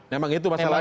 memang itu masalahnya